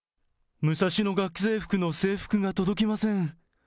ムサシノ学生服の制服が届きません。